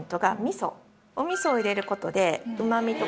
おみそを入れることで。